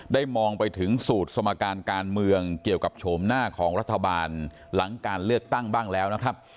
มองไปถึงสูตรสมการการเมืองเกี่ยวกับโฉมหน้าของรัฐบาลหลังการเลือกตั้งบ้างแล้วนะครับ